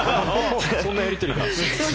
そんなやり取りが。